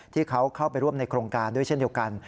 ที่เขาเข้าไปร่วมในโครงการด้วยเช่นเดียวกัน